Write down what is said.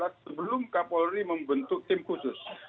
sebelum k polri membentuk tim khusus